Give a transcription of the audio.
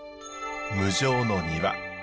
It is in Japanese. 無常の庭。